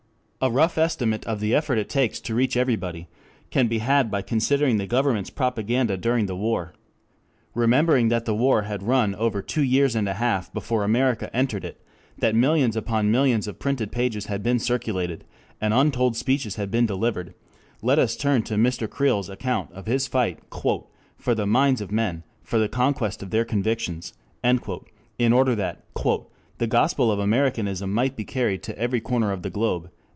A rough estimate of the effort it takes to reach "everybody" can be had by considering the Government's propaganda during the war. Remembering that the war had run over two years and a half before America entered it, that millions upon millions of printed pages had been circulated and untold speeches had been delivered, let us turn to Mr. Creel's account of his fight "for the minds of men, for the conquest of their convictions" in order that "the gospel of Americanism might be carried to every corner of the globe."